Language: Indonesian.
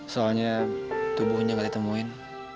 soalnya tubuhnya gak ditemuin